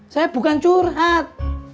saya bukan curhat